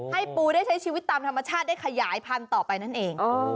ให้ปูได้ใช้ชีวิตตามธรรมชาติได้ขยายพันธุ์ต่อไปนั่นเอง